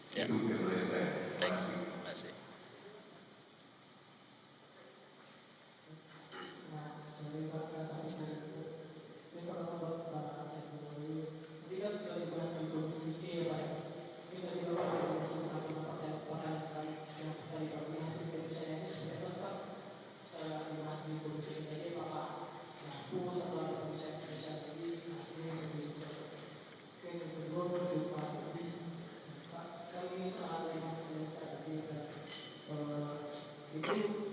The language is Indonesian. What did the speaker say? terima kasih pak